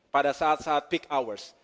pada saat saat peak hours